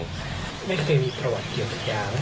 ไม่เคยมีประวัติเกี่ยวกับยาหรือเปล่า